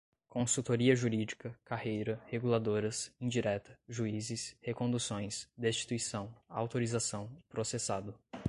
consultoria jurídica, carreira, reguladoras, indireta, juízes, reconduções, destituição, autorização, processado